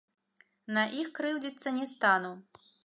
На іх крыўдзіцца не стану.